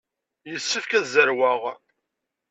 Yessefk ad zerweɣ.